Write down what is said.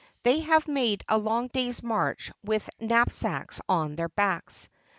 They have made a long day's march with knap sacks on their backs.